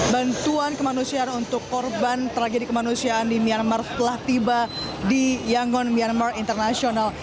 bantuan kemanusiaan untuk korban tragedi kemanusiaan di myanmar telah tiba di yangon myanmar international